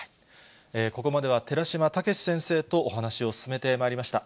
ここまでは寺嶋毅先生とお話を進めてまいりました。